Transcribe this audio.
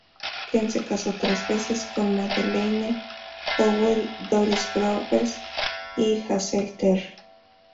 Keen se casó tres veces, con Madeleine Howell, Doris Groves y Hazel Terry.